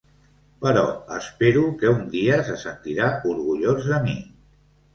Però espero que un dia se sentirà orgullós de mi.